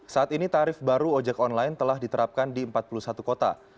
saat ini tarif baru ojek online telah diterapkan di empat puluh satu kota